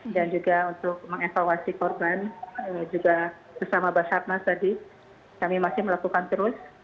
dan juga untuk mengevaluasi korban juga bersama bas hatna tadi kami masih melakukan terus